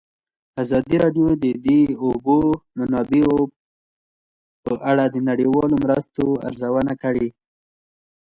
ازادي راډیو د د اوبو منابع په اړه د نړیوالو مرستو ارزونه کړې.